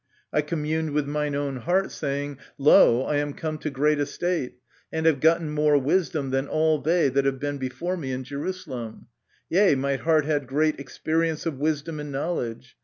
... I com muned with mine own heart, saying, Lo, I am come to great estate, and have gotten more wisdom than all they that have been before me in Jerusalem : yea, my heart had great experience of wisdom and knowledge.